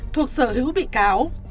thuộc sở hữu bị cáo